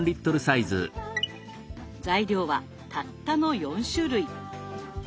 材料はたったの４種類。